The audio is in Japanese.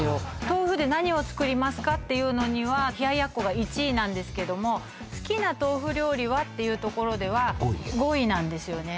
「豆腐で何を作りますか？」っていうのには冷奴が１位なんですけども「好きな豆腐料理は？」っていうところでは５位なんですよね